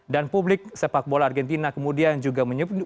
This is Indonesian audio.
dan publik sepak bola argentina kemudian juga menyebutnya sebagai pintu